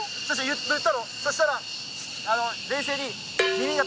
そしたら冷静に。